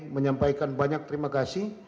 menyampaikan banyak terima kasih